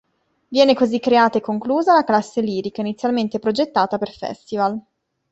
Viene così creata e conclusa la classe Lirica, inizialmente progettata per Festival.